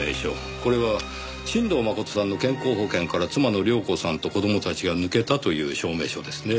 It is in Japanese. これは新堂誠さんの健康保険から妻の亮子さんと子供たちが抜けたという証明書ですねぇ。